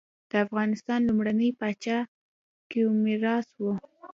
د افغانستان لومړنی پاچا کيومرث وه.